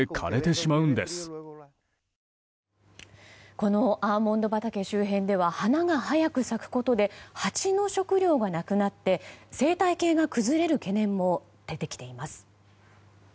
このアーモンド畑周辺では花が早く咲くことでハチの食料がなくなって生態系が崩れる懸念も出てきています。